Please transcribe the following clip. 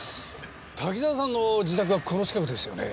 滝沢さんの自宅はこの近くですよね？